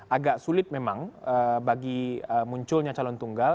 agak sulit memang bagi munculnya calon tunggal